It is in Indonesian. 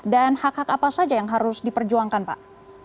dan hak hak apa saja yang harus diperjuangkan pak